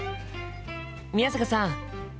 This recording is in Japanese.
宮坂さん